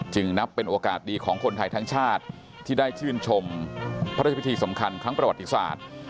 นับเป็นโอกาสดีของคนไทยทั้งชาติที่ได้ชื่นชมพระราชพิธีสำคัญครั้งประวัติศาสตร์